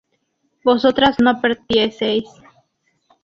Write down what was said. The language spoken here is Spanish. vosotras no partieseis